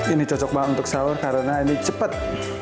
ini cocok banget untuk sahur karena ini cepat